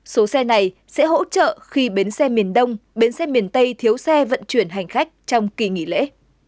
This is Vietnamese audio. số xe này sẽ hỗ trợ khi bến xe miền đông bến xe miền tây thiếu xe vận chuyển hành khách trong kỳ nghỉ lễ